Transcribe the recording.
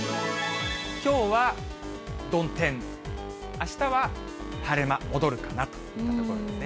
きょうは曇天、あしたは晴れ間戻るかなといったところですね。